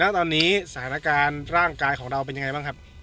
แล้วตอนนี้สถานการณ์ร่างกายของเราเป็นยังไงบ้างครับ